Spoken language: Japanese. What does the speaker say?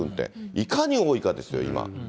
いかに多いかですよ、今。